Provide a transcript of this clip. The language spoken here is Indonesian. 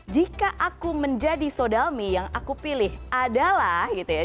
jika aku menjadi sodalmi yang aku pilih adalah gitu ya